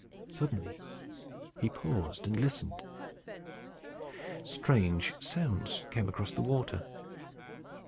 Suddenly he paused, and listened. Strange sounds came across the water.